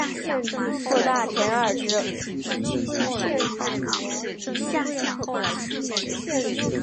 副大臣贰之。